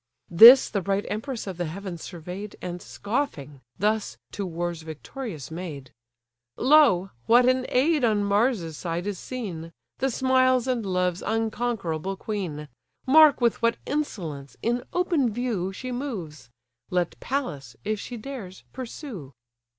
This the bright empress of the heavens survey'd, And, scoffing, thus to war's victorious maid: "Lo! what an aid on Mars's side is seen! The smiles' and loves' unconquerable queen! Mark with what insolence, in open view, She moves: let Pallas, if she dares, pursue."